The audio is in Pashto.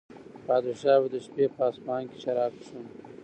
پادشاه به د شپې په اصفهان کې شراب څښل.